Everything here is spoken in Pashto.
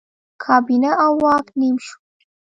کابینه او واک نیم شو.